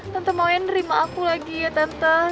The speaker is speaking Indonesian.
tante maunya nerima aku lagi ya tante